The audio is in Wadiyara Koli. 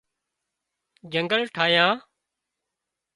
جنگل ٺاهيان